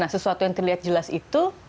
nah sesuatu yang terlihat jelas itu